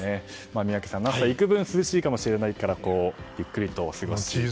宮家さん、那須は幾分涼しいかもしれないからゆっくりと過ごしていただきたいですね。